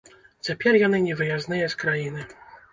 Цяпер яны невыязныя з краіны.